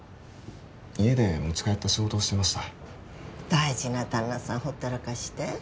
家で持ち帰った仕事をしてました大事な旦那さんほったらかして？